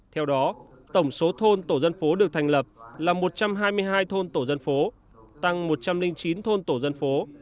theo đó tổng số thôn tổ dân phố được thành lập là một trăm hai mươi hai thôn tổ dân phố tăng một trăm linh chín thôn tổ dân phố